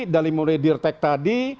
dari mulai dirtek tadi